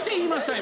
今。